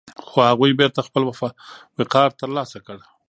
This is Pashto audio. خو هغوی بېرته خپل وقار ترلاسه کړ.